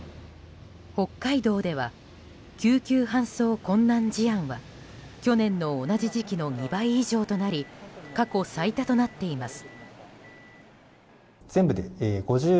北海道では救急搬送困難事案は去年の同じ時期の２倍以上となり過去最多となっています。